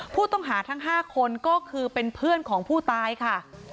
ผู้ต้องหาทั้ง๕คนก็คือเป็นเพื่อนของผู้ตายค่ะ